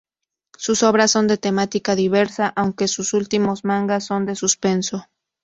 Sus obras son de temática diversa, aunque sus últimos mangas son de Suspenso.